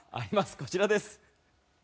こちらです。